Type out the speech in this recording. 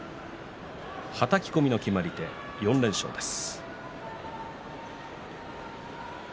はたき込みの決まり手４連勝です。